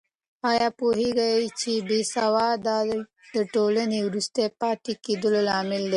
آیا پوهېږې چې بې سوادي د ټولنې د وروسته پاتې کېدو لامل ده؟